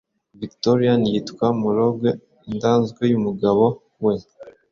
Victorian yitwa monologue idaanzwe, yumugabo we